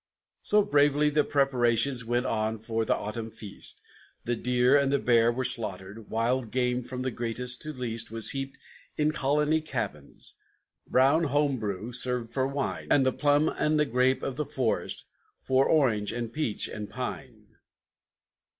So, bravely the preparations went on for the autumn feast; The deer and the bear were slaughtered; wild game from the greatest to least Was heaped in the colony cabins; brown home brew served for wine, And the plum and the grape of the forest, for orange and peach and pine.